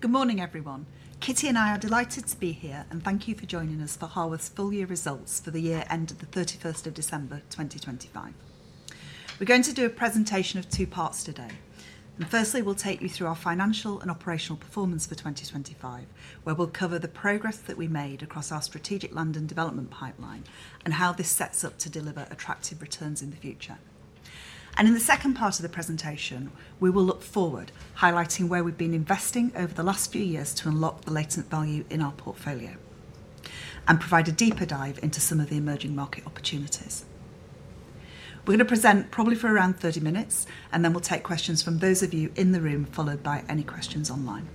Good morning, everyone. Kitty and I are delighted to be here, and thank you for joining us for Harworth's full year results for the year end of 31 December 2025. We're going to do a presentation of two parts today. Firstly, we'll take you through our financial and operational performance for 2025, where we'll cover the progress that we made across our strategic London development pipeline and how this sets up to deliver attractive returns in the future. In the second part of the presentation, we will look forward, highlighting where we've been investing over the last few years to unlock the latent value in our portfolio and provide a deeper dive into some of the emerging market opportunities. We're gonna present probably for around 30 minutes, and then we'll take questions from those of you in the room, followed by any questions online.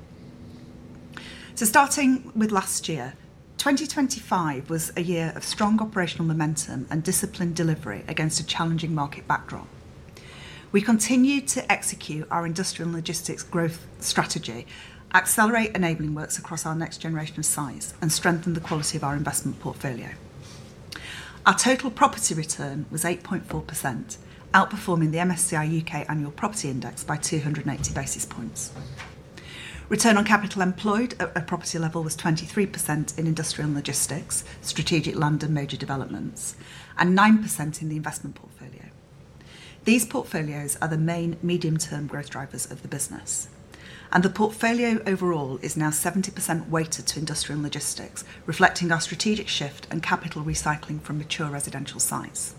Starting with last year. 2025 was a year of strong operational momentum and disciplined delivery against a challenging market backdrop. We continued to execute our industrial and logistics growth strategy, accelerate enabling works across our next generation of sites, and strengthen the quality of our investment portfolio. Our total property return was 8.4%, outperforming the MSCI UK Annual Property Index by 280 basis points. Return on capital employed at property level was 23% in industrial and logistics, strategic land and major developments, and 9% in the investment portfolio. These portfolios are the main medium-term growth drivers of the business. The portfolio overall is now 70% weighted to industrial and logistics, reflecting our strategic shift and capital recycling from mature residential sites.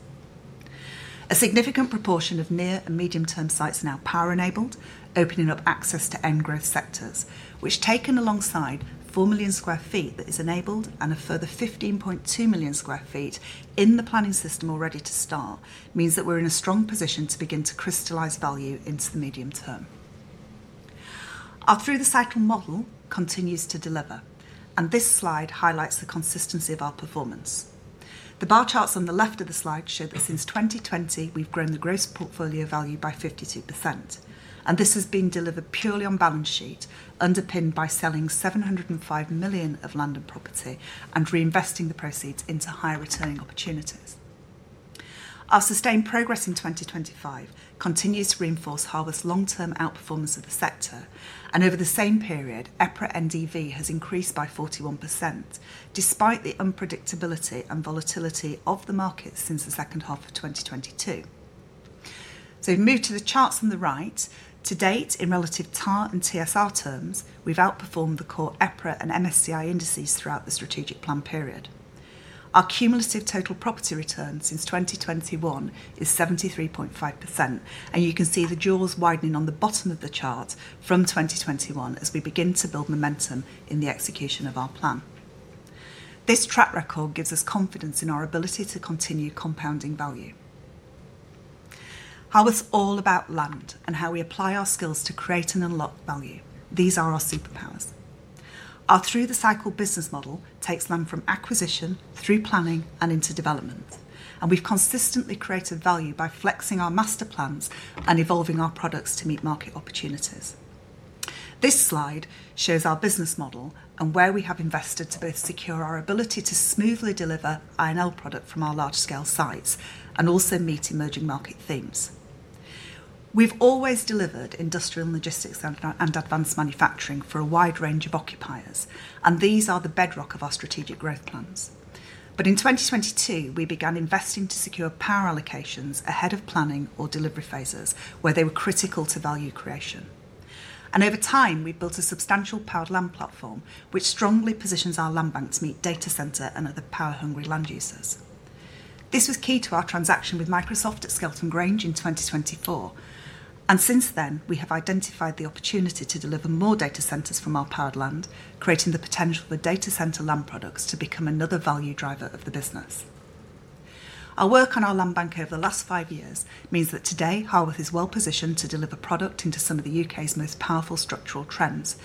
A significant proportion of near and medium-term sites now power enabled, opening up access to in-demand growth sectors, which taken alongside 4 million sq ft that is enabled and a further 15.2 million sq ft in the planning system already to start, means that we're in a strong position to begin to crystallize value into the medium term. Our through the cycle model continues to deliver, and this slide highlights the consistency of our performance. The bar charts on the left of the slide show that since 2020, we've grown the gross portfolio value by 52%, and this has been delivered purely on balance sheet, underpinned by selling 705 million of London property and reinvesting the proceeds into higher returning opportunities. Our sustained progress in 2025 continues to reinforce Harworth's long-term outperformance of the sector, and over the same period, EPRA NDV has increased by 41% despite the unpredictability and volatility of the market since the second half of 2022. We've moved to the charts on the right. To date, in relative TAR and TSR terms, we've outperformed the core EPRA and MSCI indices throughout the strategic plan period. Our cumulative total property return since 2021 is 73.5%, and you can see the jaws widening on the bottom of the chart from 2021 as we begin to build momentum in the execution of our plan. This track record gives us confidence in our ability to continue compounding value. Harworth's all about land and how we apply our skills to create and unlock value. These are our superpowers. Our through the cycle business model takes land from acquisition, through planning and into development, and we've consistently created value by flexing our master plans and evolving our products to meet market opportunities. This slide shows our business model and where we have invested to both secure our ability to smoothly deliver I&L product from our large scale sites and also meet emerging market themes. We've always delivered industrial and logistics and advanced manufacturing for a wide range of occupiers, and these are the bedrock of our strategic growth plans. In 2022, we began investing to secure power allocations ahead of planning or delivery phases where they were critical to value creation. Over time, we've built a substantial powered land platform, which strongly positions our land bank to meet data center and other power-hungry land users. This was key to our transaction with Microsoft at Skelton Grange in 2024. Since then, we have identified the opportunity to deliver more data centers from our powered land, creating the potential for data center land products to become another value driver of the business. Our work on our land bank over the last five years means that today Harworth is well positioned to deliver product into some of the U.K.'s most powerful structural trends.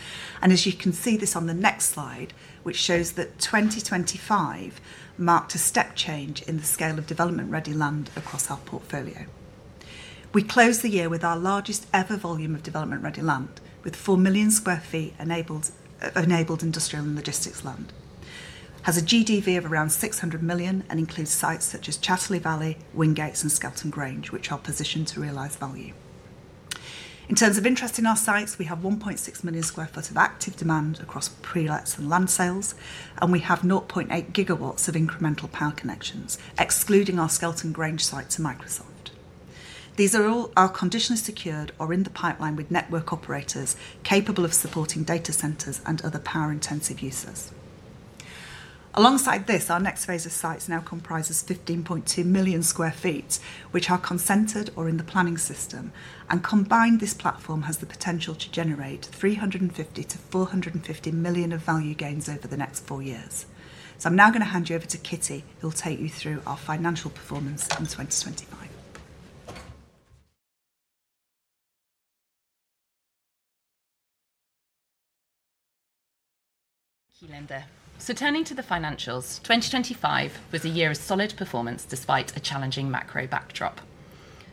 As you can see this on the next slide, which shows that 2025 marked a step change in the scale of development-ready land across our portfolio. We closed the year with our largest ever volume of development-ready land, with 4 million sq ft enabled industrial and logistics land. It has a GDV of around 600 million, and includes sites such as Chatterley Valley, Wingates and Skelton Grange, which are positioned to realize value. In terms of interest in our sites, we have 1.6 million sq ft of active demand across pre-lets and land sales, and we have 0.8 GW of incremental power connections, excluding our Skelton Grange site to Microsoft. These are all conditionally secured or in the pipeline with network operators capable of supporting data centers and other power-intensive users. Alongside this, our next phase of sites now comprises 15.2 million sq ft, which are consented or in the planning system. Combined, this platform has the potential to generate 350 million-450 million of value gains over the next four years. I'm now gonna hand you over to Kitty, who'll take you through our financial performance in 2025. Thank you, Lynda. Turning to the financials, 2025 was a year of solid performance despite a challenging macro backdrop.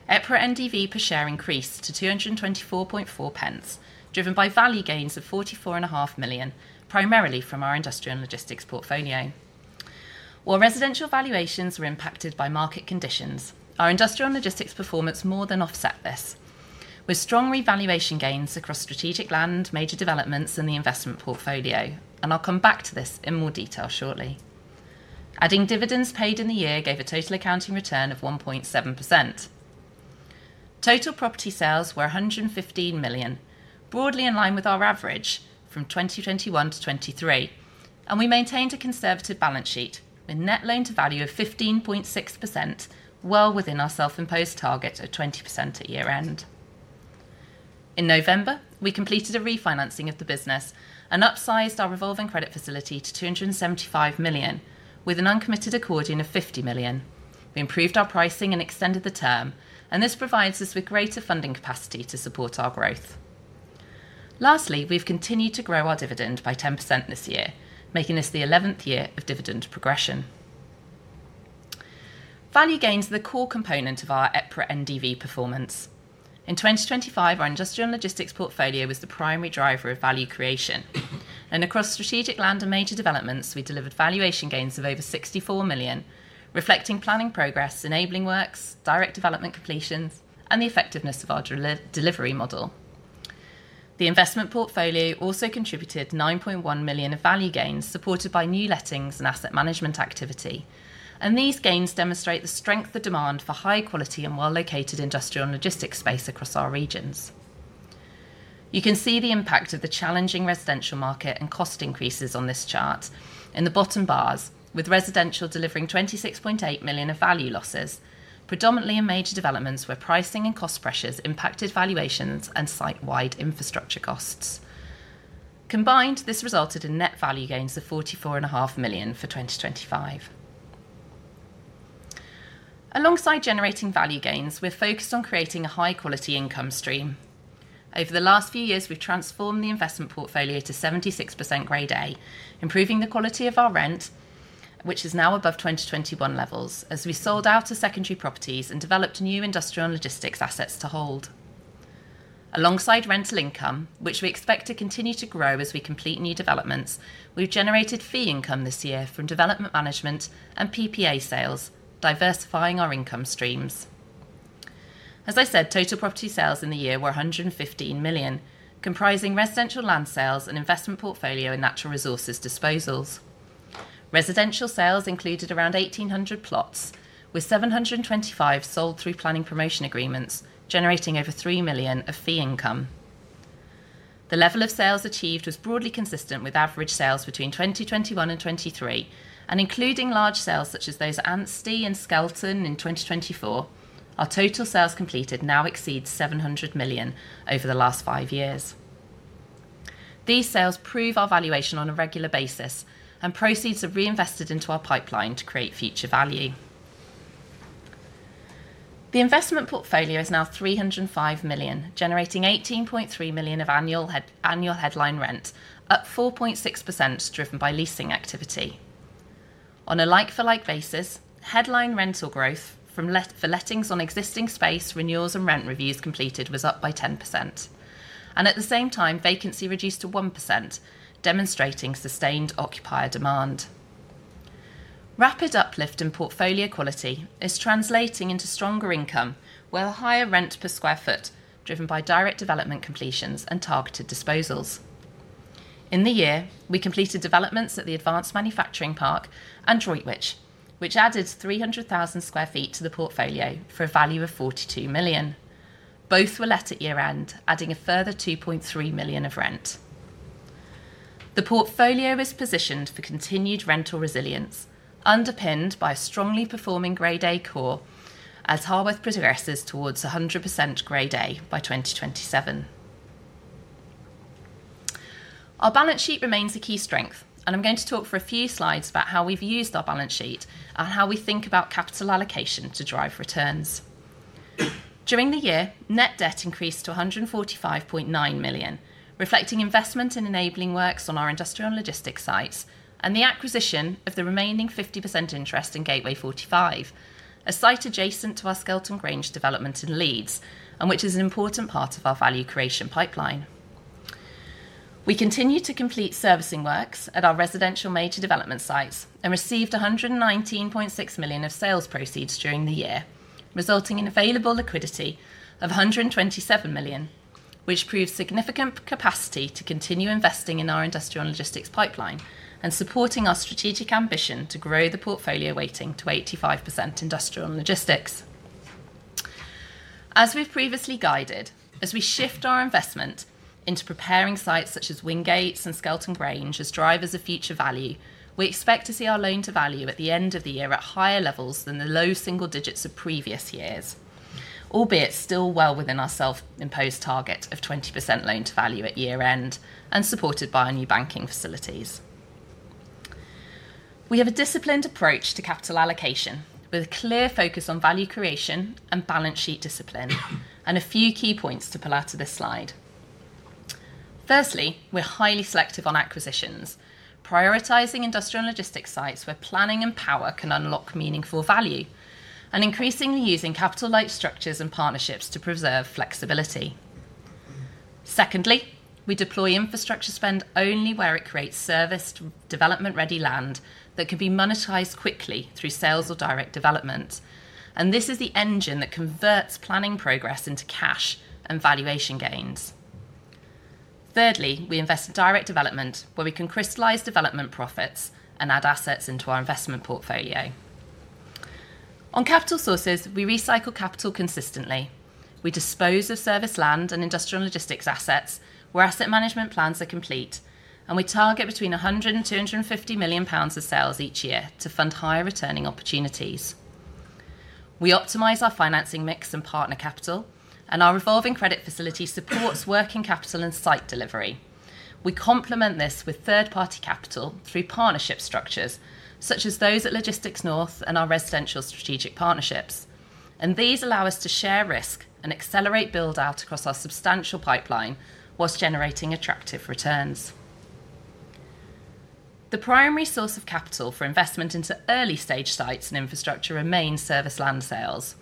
EPRA NDV per share increased to 224.4 pence, driven by value gains of 44 and a half million GBP, primarily from our industrial and logistics portfolio. While residential valuations were impacted by market conditions, our industrial and logistics performance more than offset this. With strong revaluation gains across strategic land, major developments in the investment portfolio, and I'll come back to this in more detail shortly. Adding dividends paid in the year gave a total accounting return of 1.7%. Total property sales were 115 million, broadly in line with our average from 2021 to 2023, and we maintained a conservative balance sheet with Net Loan to Value of 15.6%, well within our self-imposed target of 20% at year-end. In November, we completed a refinancing of the business and upsized our revolving credit facility to 275 million, with an uncommitted accordion of 50 million. We improved our pricing and extended the term, and this provides us with greater funding capacity to support our growth. Lastly, we've continued to grow our dividend by 10% this year, making this the 11th year of dividend progression. Value gains are the core component of our EPRA NDV performance. In 2025, our industrial and logistics portfolio was the primary driver of value creation. Across strategic land and major developments, we delivered valuation gains of over 64 million, reflecting planning progress, enabling works, direct development completions, and the effectiveness of our delivery model. The investment portfolio also contributed 9.1 million of value gains, supported by new lettings and asset management activity. These gains demonstrate the strength of demand for high quality and well-located industrial and logistics space across our regions. You can see the impact of the challenging residential market and cost increases on this chart in the bottom bars, with residential delivering 26.8 million of value losses, predominantly in major developments where pricing and cost pressures impacted valuations and site-wide infrastructure costs. Combined, this resulted in net value gains of 44 and a half million for 2025. Alongside generating value gains, we're focused on creating a high-quality income stream. Over the last few years, we've transformed the investment portfolio to 76% Grade A, improving the quality of our rent, which is now above 2021 levels as we sold out to secondary properties and developed new industrial and logistics assets to hold. Alongside rental income, which we expect to continue to grow as we complete new developments, we've generated fee income this year from development management and PPA sales, diversifying our income streams. As I said, total property sales in the year were 115 million, comprising residential land sales and investment portfolio in natural resources disposals. Residential sales included around 1,800 plots, with 725 sold through planning promotion agreements, generating over 3 million of fee income. The level of sales achieved was broadly consistent with average sales between 2021 and 2023. Including large sales such as those at Anstey and Skelton in 2024, our total sales completed now exceeds 700 million over the last five years. These sales prove our valuation on a regular basis, and proceeds are reinvested into our pipeline to create future value. The investment portfolio is now 305 million, generating 18.3 million of annual headline rent, up 4.6% driven by leasing activity. On a like for like basis, headline rental growth from lettings on existing space renewals and rent reviews completed was up by 10%. At the same time, vacancy reduced to 1%, demonstrating sustained occupier demand. Rapid uplift in portfolio quality is translating into stronger income, with a higher rent per sq ft driven by direct development completions and targeted disposals. In the year, we completed developments at the Advanced Manufacturing Park and Droitwich, which added 300,000 sq ft to the portfolio for a value of 42 million. Both were let at year-end, adding a further 2.3 million of rent. The portfolio is positioned for continued rental resilience, underpinned by a strongly performing Grade A core as Harworth progresses towards 100% Grade A by 2027. Our balance sheet remains a key strength, and I'm going to talk for a few slides about how we've used our balance sheet and how we think about capital allocation to drive returns. During the year, net debt increased to 145.9 million, reflecting investment in enabling works on our industrial and logistics sites and the acquisition of the remaining 50% interest in Gateway 45, a site adjacent to our Skelton Grange development in Leeds, and which is an important part of our value creation pipeline. We continue to complete servicing works at our residential major development sites and received 119.6 million of sales proceeds during the year, resulting in available liquidity of 127 million, which provides significant capacity to continue investing in our industrial and logistics pipeline and supporting our strategic ambition to grow the portfolio weighting to 85% industrial and logistics. As we've previously guided, as we shift our investment into preparing sites such as Wingates and Skelton Grange as drivers of future value, we expect to see our loan to value at the end of the year at higher levels than the low single digits of previous years. Albeit still well within our self-imposed target of 20% loan to value at year-end and supported by our new banking facilities. We have a disciplined approach to capital allocation, with a clear focus on value creation and balance sheet discipline, and a few key points to pull out of this slide. Firstly, we're highly selective on acquisitions, prioritizing industrial and logistics sites where planning and power can unlock meaningful value, and increasingly using capital light structures and partnerships to preserve flexibility. Secondly, we deploy infrastructure spend only where it creates serviced, development-ready land that can be monetized quickly through sales or direct development, and this is the engine that converts planning progress into cash and valuation gains. Thirdly, we invest in direct development, where we can crystallize development profits and add assets into our investment portfolio. On capital sources, we recycle capital consistently. We dispose of serviced land and industrial and logistics assets where asset management plans are complete, and we target between 100 million pounds and GBP 250 million of sales each year to fund higher returning opportunities. We optimize our financing mix and partner capital, and our revolving credit facility supports working capital and site delivery. We complement this with third-party capital through partnership structures, such as those at Logistics North and our residential strategic partnerships, and these allow us to share risk and accelerate build-out across our substantial pipeline while generating attractive returns. The primary source of capital for investment into early-stage sites and infrastructure remains serviced land sales,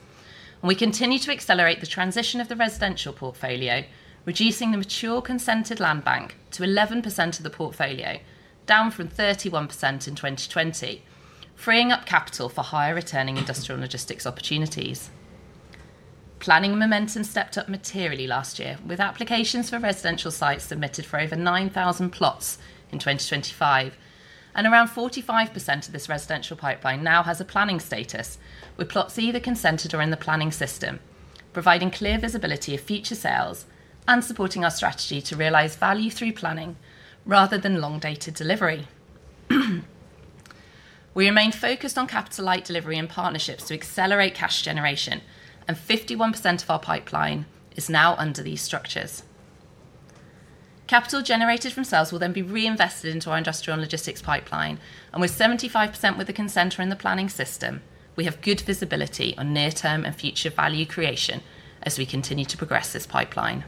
and we continue to accelerate the transition of the residential portfolio, reducing the mature consented Land Bank to 11% of the portfolio, down from 31% in 2020, freeing up capital for higher returning industrial logistics opportunities. Planning momentum stepped up materially last year, with applications for residential sites submitted for over 9,000 plots in 2025, and around 45% of this residential pipeline now has a planning status, with plots either consented or in the planning system, providing clear visibility of future sales and supporting our strategy to realize value through planning rather than long dated delivery. We remain focused on capital light delivery and partnerships to accelerate cash generation, and 51% of our pipeline is now under these structures. Capital generated from sales will then be reinvested into our industrial and logistics pipeline, and with 75% with the consent or in the planning system, we have good visibility on near-term and future value creation as we continue to progress this pipeline.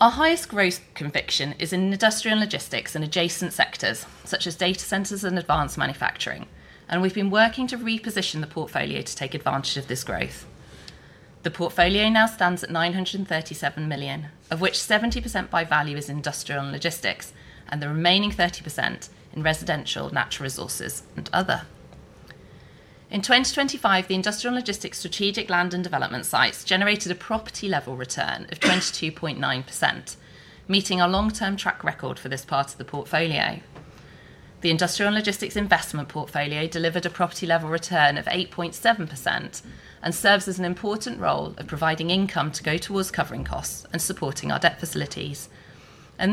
Our highest growth conviction is in industrial and logistics and adjacent sectors such as data centers and advanced manufacturing, and we've been working to reposition the portfolio to take advantage of this growth. The portfolio now stands at 937 million, of which 70% by value is industrial and logistics, and the remaining 30% in residential, natural resources, and other. In 2025, the industrial and logistics strategic land and development sites generated a property-level return of 22.9%, meeting our long-term track record for this part of the portfolio. The industrial and logistics investment portfolio delivered a property-level return of 8.7% and serves as an important role of providing income to go towards covering costs and supporting our debt facilities.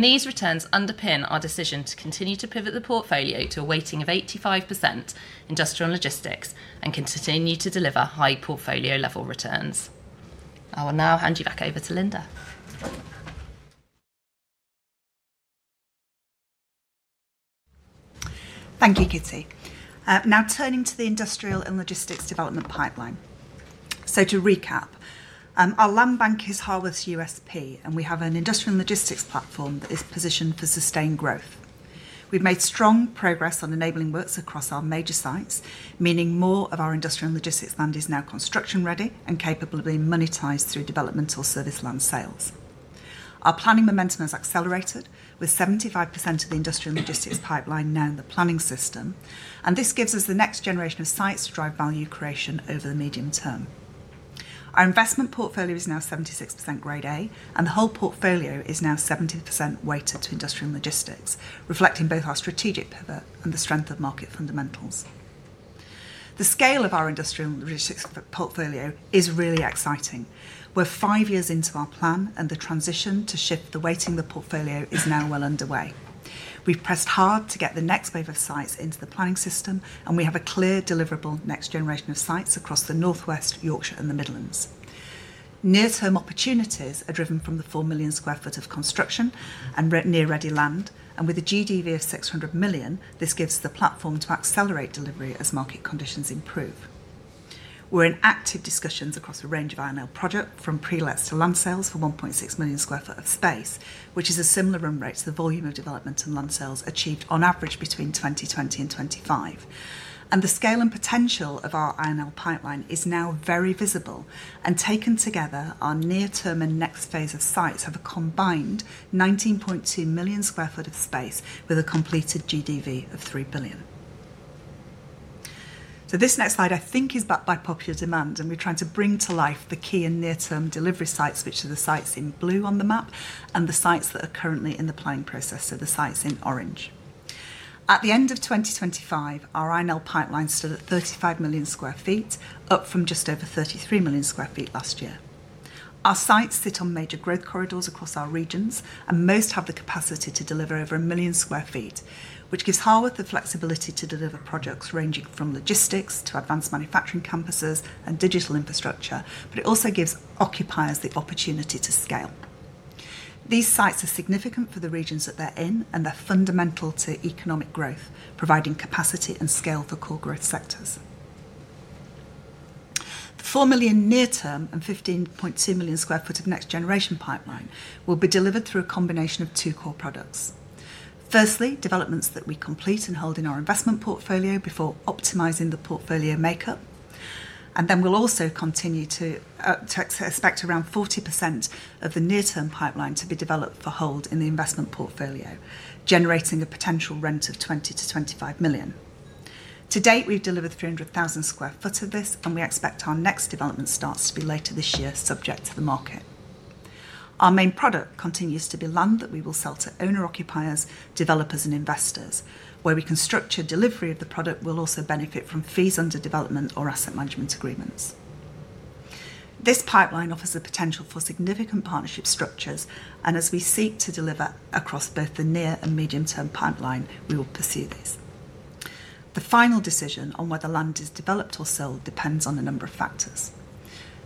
These returns underpin our decision to continue to pivot the portfolio to a weighting of 85% industrial and logistics and continue to deliver high portfolio-level returns. I will now hand you back over to Lynda. Thank you, Kitty. Now turning to the industrial and logistics development pipeline. To recap, our land bank is Harworth's USP, and we have an industrial and logistics platform that is positioned for sustained growth. We've made strong progress on enabling works across our major sites, meaning more of our industrial and logistics land is now construction-ready and capable of being monetized through developmental serviced land sales. Our planning momentum has accelerated with 75% of the industrial and logistics pipeline now in the planning system, and this gives us the next generation of sites to drive value creation over the medium term. Our investment portfolio is now 76% Grade A, and the whole portfolio is now 70% weighted to industrial and logistics, reflecting both our strategic pivot and the strength of market fundamentals. The scale of our industrial and logistics portfolio is really exciting. We're 5 years into our plan, and the transition to shift the weighting of the portfolio is now well underway. We've pressed hard to get the next wave of sites into the planning system, and we have a clear deliverable next generation of sites across the Northwest, Yorkshire, and the Midlands. Near-term opportunities are driven from the 4 million sq ft of construction and near-ready land, and with a GDV of 600 million, this gives the platform to accelerate delivery as market conditions improve. We're in active discussions across a range of I&L projects from prelets to land sales for 1.6 million sq ft of space, which is a similar run rate to the volume of developments and land sales achieved on average between 2020 and 2025. The scale and potential of our I&L pipeline is now very visible, and taken together, our near-term and next phase of sites have a combined 19.2 million sq ft of space with a completed GDV of 3 billion. This next slide, I think, is back by popular demand, and we're trying to bring to life the key and near-term delivery sites, which are the sites in blue on the map, and the sites that are currently in the planning process are the sites in orange. At the end of 2025, our I&L pipeline stood at 35 million sq ft, up from just over 33 million sq ft last year. Our sites sit on major growth corridors across our regions, and most have the capacity to deliver over 1 million sq ft, which gives Harworth the flexibility to deliver projects ranging from logistics to advanced manufacturing campuses and digital infrastructure, but it also gives occupiers the opportunity to scale. These sites are significant for the regions that they're in, and they're fundamental to economic growth, providing capacity and scale for core growth sectors. The 4 million near-term and 15.2 million sq ft of next generation pipeline will be delivered through a combination of two core products. Firstly, developments that we complete and hold in our investment portfolio before optimizing the portfolio makeup. We'll also continue to expect around 40% of the near-term pipeline to be developed for hold in the investment portfolio, generating a potential rent of 20-25 million. To date, we've delivered 300,000 sq ft of this, and we expect our next development starts to be later this year, subject to the market. Our main product continues to be land that we will sell to owner-occupiers, developers, and investors. Where we can structure delivery of the product, we'll also benefit from fees under development or asset management agreements. This pipeline offers the potential for significant partnership structures, and as we seek to deliver across both the near and medium-term pipeline, we will pursue this. The final decision on whether land is developed or sold depends on a number of factors.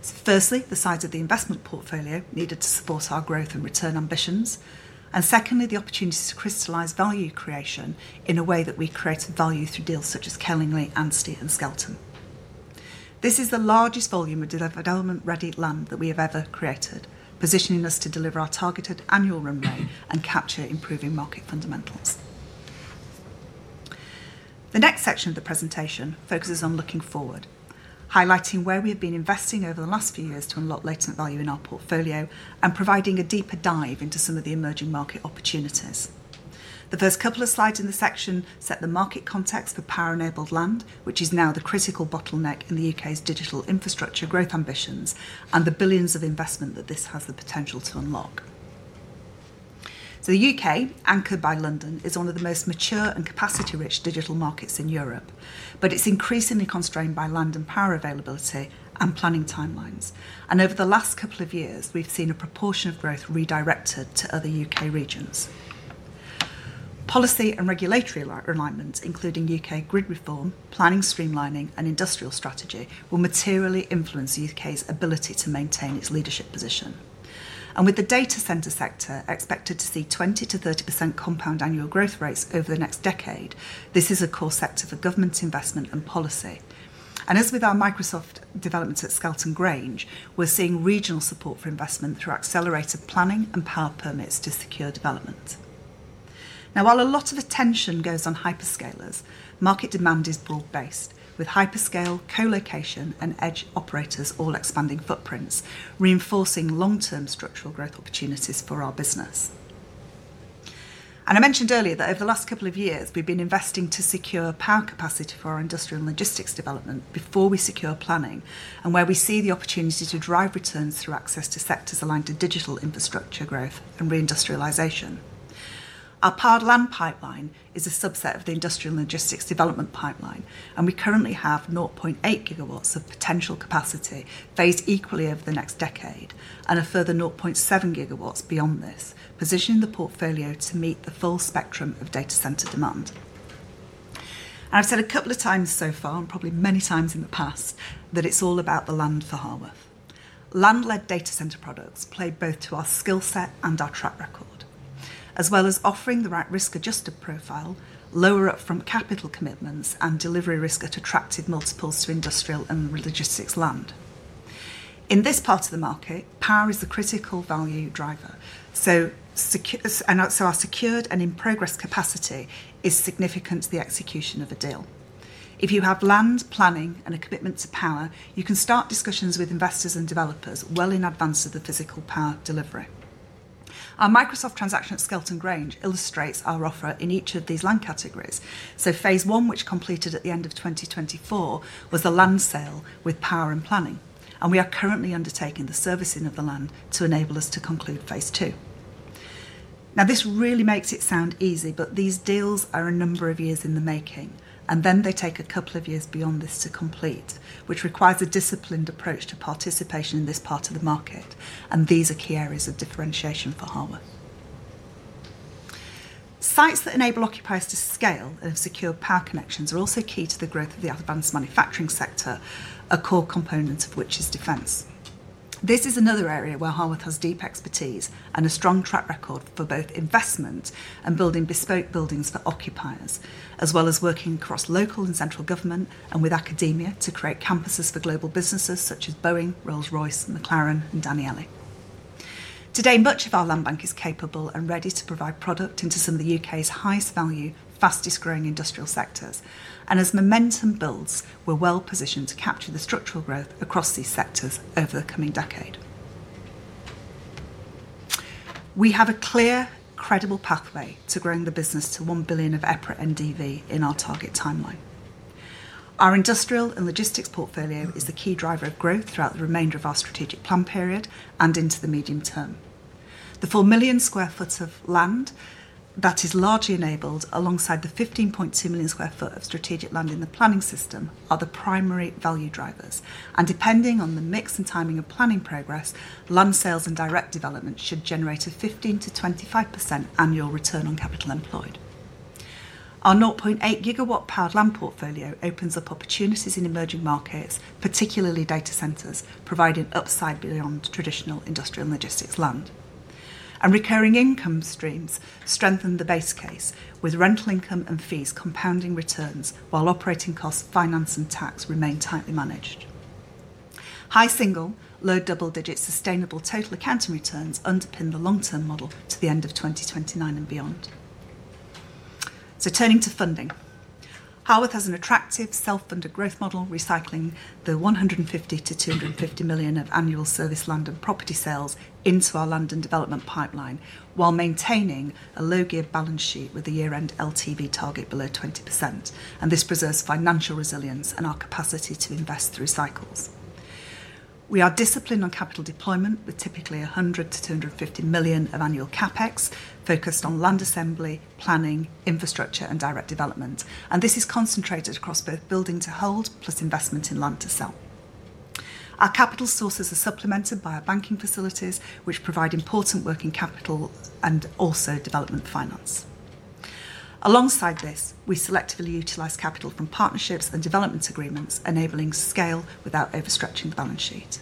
Firstly, the size of the investment portfolio needed to support our growth and return ambitions, and secondly, the opportunities to crystallize value creation in a way that we created value through deals such as Kellingley, Anstey, and Skelton. This is the largest volume of development-ready land that we have ever created, positioning us to deliver our targeted annual runway and capture improving market fundamentals. The next section of the presentation focuses on looking forward, highlighting where we have been investing over the last few years to unlock latent value in our portfolio and providing a deeper dive into some of the emerging market opportunities. The first couple of slides in this section set the market context for power-enabled land, which is now the critical bottleneck in the UK's digital infrastructure growth ambitions and the billions of investment that this has the potential to unlock. The UK, anchored by London, is one of the most mature and capacity-rich digital markets in Europe, but it's increasingly constrained by land and power availability and planning timelines. Over the last couple of years, we've seen a proportion of growth redirected to other U.K. regions. Policy and regulatory alignment, including U.K. grid reform, planning streamlining, and industrial strategy, will materially influence the U.K.'s ability to maintain its leadership position. With the data center sector expected to see 20%-30% compound annual growth rates over the next decade, this is a core sector for government investment and policy. As with our Microsoft developments at Skelton Grange, we're seeing regional support for investment through accelerated planning and power permits to secure development. Now, while a lot of attention goes on Hyperscalers, market demand is broad-based, with Hyperscale, co-location, and edge operators all expanding footprints, reinforcing long-term structural growth opportunities for our business. I mentioned earlier that over the last couple of years, we've been investing to secure power capacity for our industrial and logistics development before we secure planning and where we see the opportunity to drive returns through access to sectors aligned to digital infrastructure growth and reindustrialization. Our powered land pipeline is a subset of the industrial and logistics development pipeline, and we currently have 0.8 gigawatts of potential capacity phased equally over the next decade and a further 0.7 gigawatts beyond this, positioning the portfolio to meet the full spectrum of data center demand. I've said a couple of times so far, and probably many times in the past, that it's all about the land for Harworth. Land-led data center products play both to our skill set and our track record, as well as offering the right risk-adjusted profile, lower up-front capital commitments, and delivery risk at attractive multiples to industrial and logistics land. In this part of the market, power is the critical value driver, so our secured and in-progress capacity is significant to the execution of a deal. If you have land, planning, and a commitment to power, you can start discussions with investors and developers well in advance of the physical power delivery. Our Microsoft transaction at Skelton Grange illustrates our offer in each of these land categories. Phase one, which completed at the end of 2024, was the land sale with power and planning, and we are currently undertaking the servicing of the land to enable us to conclude phase two. Now, this really makes it sound easy, but these deals are a number of years in the making, and then they take a couple of years beyond this to complete, which requires a disciplined approach to participation in this part of the market, and these are key areas of differentiation for Harworth. Sites that enable occupiers to scale and have secure power connections are also key to the growth of the advanced manufacturing sector, a core component of which is defense. This is another area where Harworth has deep expertise and a strong track record for both investment and building bespoke buildings for occupiers, as well as working across local and central government and with academia to create campuses for global businesses such as Boeing, Rolls-Royce, McLaren, and Danieli. Today, much of our land bank is capable and ready to provide product into some of the UK's highest-value, fastest-growing industrial sectors. As momentum builds, we're well positioned to capture the structural growth across these sectors over the coming decade. We have a clear, credible pathway to growing the business to 1 billion of EPRA NDV in our target timeline. Our industrial and logistics portfolio is the key driver of growth throughout the remainder of our strategic plan period and into the medium term. The 4 million sq ft of land that is largely enabled, alongside the 15.2 million sq ft of strategic land in the planning system, are the primary value drivers. Depending on the mix and timing of planning progress, land sales and direct development should generate a 15%-25% annual return on capital employed. Our 0.8 GW powered land portfolio opens up opportunities in emerging markets, particularly data centers, providing upside beyond traditional industrial and logistics land. Recurring income streams strengthen the base case, with rental income and fees compounding returns while operating costs, finance, and tax remain tightly managed. High single- to low double-digit sustainable total accounting returns underpin the long-term model to the end of 2029 and beyond. Turning to funding. Harworth has an attractive self-funded growth model, recycling 150-250 million of annual serviced land and property sales into our land and development pipeline, while maintaining a low geared balance sheet with a year-end LTV target below 20%. This preserves financial resilience and our capacity to invest through cycles. We are disciplined on capital deployment with typically 100-250 million of annual CapEx, focused on land assembly, planning, infrastructure and direct development. This is concentrated across both building to hold plus investment in land to sell. Our capital sources are supplemented by our banking facilities, which provide important working capital and also development finance. Alongside this, we selectively utilize capital from partnerships and development agreements, enabling scale without overstretching the balance sheet.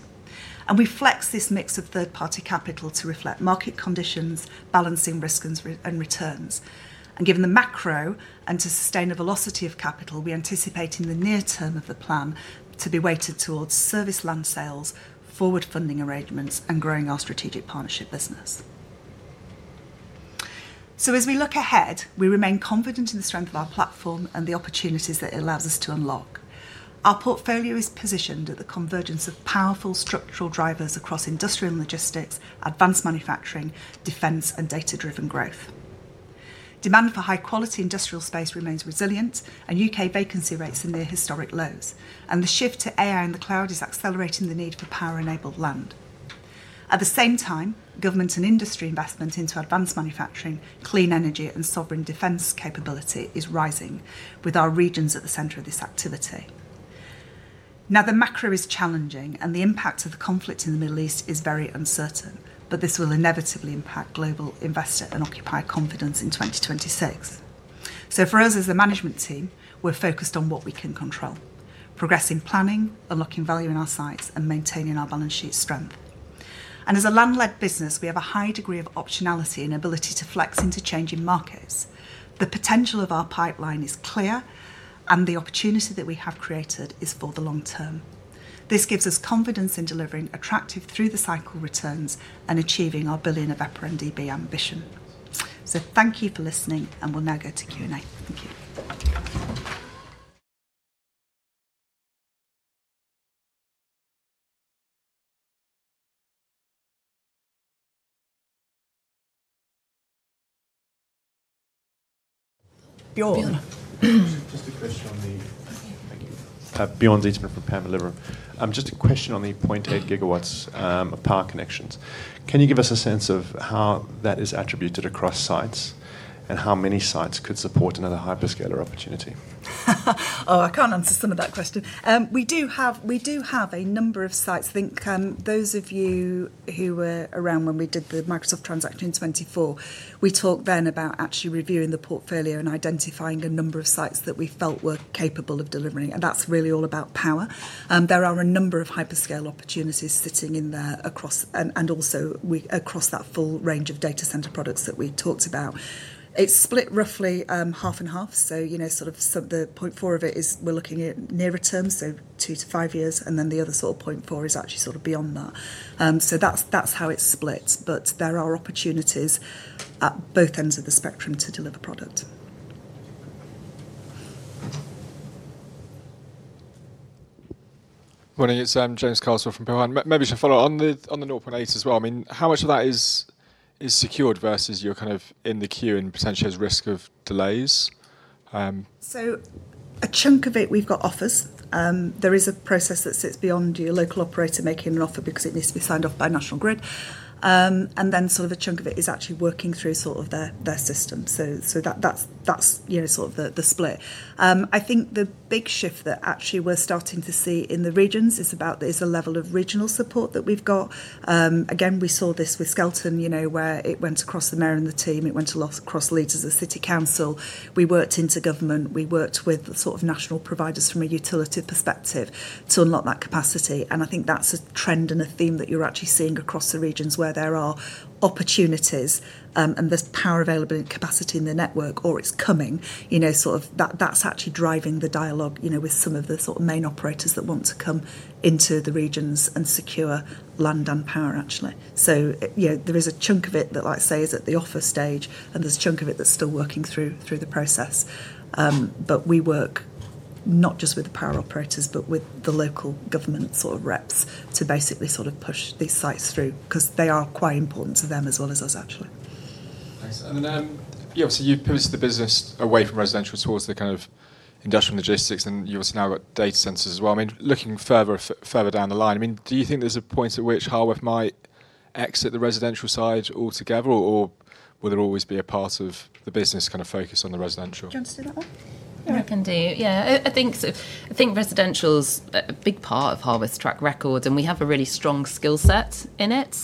We flex this mix of third party capital to reflect market conditions, balancing risk and returns. Given the macro and to sustain a velocity of capital, we anticipate in the near term of the plan to be weighted towards serviced land sales, forward funding arrangements, and growing our strategic partnership business. As we look ahead, we remain confident in the strength of our platform and the opportunities that it allows us to unlock. Our portfolio is positioned at the convergence of powerful structural drivers across industrial and logistics, advanced manufacturing, defense, and data-driven growth. Demand for high quality industrial space remains resilient, and UK vacancy rates are near historic lows. The shift to AI and the cloud is accelerating the need for power enabled land. At the same time, government and industry investment into advanced manufacturing, clean energy, and sovereign defense capability is rising, with our regions at the center of this activity. Now, the macro is challenging, and the impact of the conflict in the Middle East is very uncertain, but this will inevitably impact global investor and occupier confidence in 2026. For us as the management team, we're focused on what we can control, progressing planning, unlocking value in our sites, and maintaining our balance sheet strength. As a land-led business, we have a high degree of optionality and ability to flex into changing markets. The potential of our pipeline is clear, and the opportunity that we have created is for the long term. This gives us confidence in delivering attractive through the cycle returns and achieving our 1 billion EPRA NDV ambition. Thank you for listening, and we'll now go to Q&A. Thank you. Bjorn. Thank you. Bjorn Zetterstrom from Panmure Gordon. Just a question on the 0.8 gigawatts power connections. Can you give us a sense of how that is attributed across sites, and how many sites could support another hyperscaler opportunity? Oh, I can't answer some of that question. We do have a number of sites. I think those of you who were around when we did the Microsoft transaction in 2024, we talked then about actually reviewing the portfolio and identifying a number of sites that we felt were capable of delivering, and that's really all about power. There are a number of hyperscale opportunities sitting in there across that full range of data center products that we talked about. It's split roughly half and half, so you know, sort of 0.4 of it is we're looking at nearer term, so two-five years, and then the other sort of 0.4 is actually sort of beyond that. That's how it splits, but there are opportunities at both ends of the spectrum to deliver product. Morning, it's James Carswell from Berenberg. Maybe to follow on the north 0.8 as well. I mean, how much of that is secured versus your kind of in the queue and potentially has risk of delays? A chunk of it, we've got offers. There is a process that sits beyond your local operator making an offer because it needs to be signed off by National Grid. Sort of a chunk of it is actually working through sort of their system. That's you know sort of the split. I think the big shift that actually we're starting to see in the regions is the level of regional support that we've got. Again, we saw this with Skelton, you know, where it went across the mayor and the team. It went a lot across leaders of the city council. We worked into government. We worked with the sort of national providers from a utility perspective to unlock that capacity. I think that's a trend and a theme that you're actually seeing across the regions where there are opportunities, and there's power available and capacity in the network, or it's coming. You know, sort of that's actually driving the dialogue, you know, with some of the sort of main operators that want to come into the regions and secure land and power actually. You know, there is a chunk of it that, like I say, is at the offer stage, and there's a chunk of it that's still working through the process. But we work not just with the power operators, but with the local government sort of reps to basically sort of push these sites through, 'cause they are quite important to them as well as us actually. Thanks. Yeah, obviously you've pivoted the business away from residential towards the kind of industrial logistics, and you've obviously now got data centers as well. I mean, looking further down the line, I mean, do you think there's a point at which Harworth might exit the residential side altogether, or will there always be a part of the business kind of focus on the residential? Do you want to stay that one? Yeah. I can do. Yeah. I think so. I think residential's a big part of Harworth's track record, and we have a really strong skill set in it.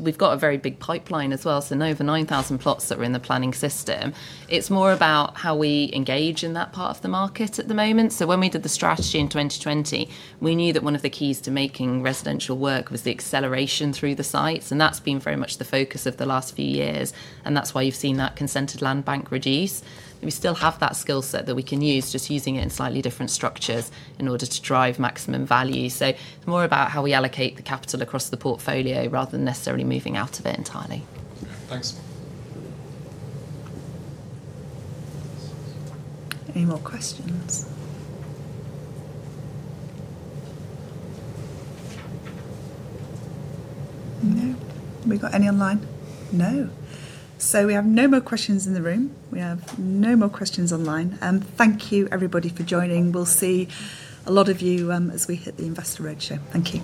We've got a very big pipeline as well, so over 9,000 plots that are in the planning system. It's more about how we engage in that part of the market at the moment. When we did the strategy in 2020, we knew that one of the keys to making residential work was the acceleration through the sites, and that's been very much the focus of the last few years, and that's why you've seen that consented land bank reduce. We still have that skill set that we can use, just using it in slightly different structures in order to drive maximum value. More about how we allocate the capital across the portfolio rather than necessarily moving out of it entirely. Thanks. Any more questions? No. Have we got any online? No. We have no more questions in the room. We have no more questions online. Thank you, everybody, for joining. We'll see a lot of you, as we hit the investor roadshow. Thank you.